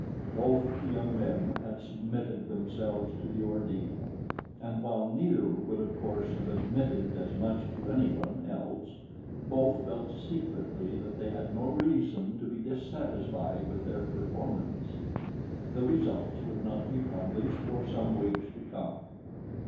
Both the young men had submitted themselves to the ordeal, and while neither would of course have admitted as much to anyone else, both felt secretly that they had no reason to be dissatisfied with their performance. The results would not be published for some weeks to come.